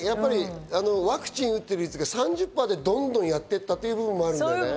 ワクチンを打ってる率が３０％でどんどんやっていた部分もある。